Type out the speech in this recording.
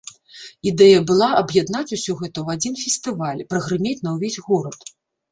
Ідэя была аб'яднаць усё гэта ў адзін фестываль, прагрымець на ўвесь горад.